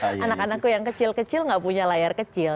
jadi anak anak yang kecil kecil nggak punya layar kecil